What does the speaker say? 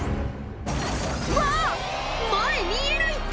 「うわ前見えないって！」